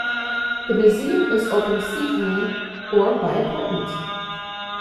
The museum is open seasonally, or by appointment.